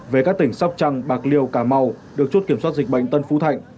về các tỉnh sóc trăng bạc liêu cà mau được chốt kiểm soát dịch bệnh tân phú thạnh